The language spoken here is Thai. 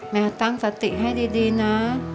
ตั้งสติให้ดีนะ